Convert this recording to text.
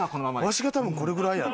わしが多分これぐらいやろ？